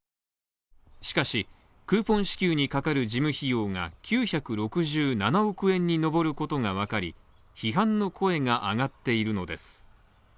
しかし、クーポン支給にかかる事務費用が９６７億円に上ることがわかり、批判の声が上がっているのです。